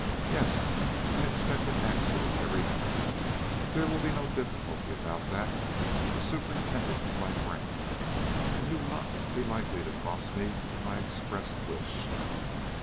"Yes, and expect an answer every minute. There will be no difficulty about that. The superintendent is my friend, and will not be likely to cross me in my expressed wish."